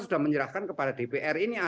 sudah menyerahkan kepada dpr ini